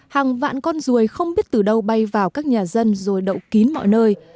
hàng vạn con ruồi không biết từ đâu bay vào các nhà dân rồi đậu kín mọi nơi